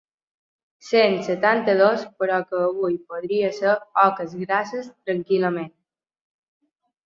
Cent setanta-dos però que avui podria ser Oques Grasses tranquil·lament.